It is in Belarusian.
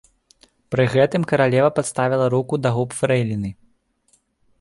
Пры гэтым каралева падставіла руку да губ фрэйліны.